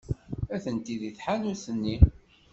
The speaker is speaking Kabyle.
Atenti deg tḥanut-nni.